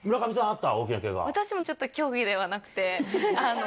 私もちょっと競技ではなくて。